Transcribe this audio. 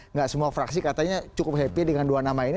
nggak semua fraksi katanya cukup happy dengan dua nama ini